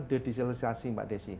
de dieselisasi mbak desi